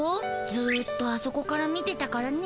ずっとあそこから見てたからね。